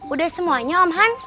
udah semuanya om hans